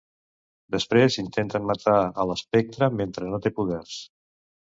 Després intenten matar a l'Espectre mentre no té poders.